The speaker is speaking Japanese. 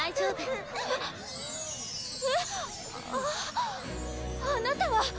ああなたは。